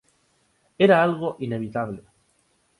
Era algo inevitable".